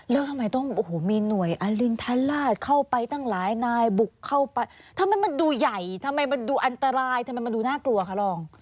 แล้วทำไมต้องโอ้โหมีหน่วยอรินทราชเข้าไปตั้งหลายนายบุกเข้าไปทำไมมันดูใหญ่ทำไมมันดูอันตรายทำไมมันดูน่ากลัวคะรอง